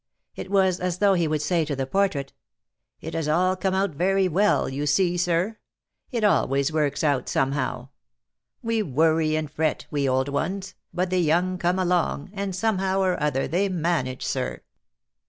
It was as though he would say to the portrait: "It has all come out very well, you see, sir. It always works out somehow. We worry and fret, we old ones, but the young come along, and somehow or other they manage, sir."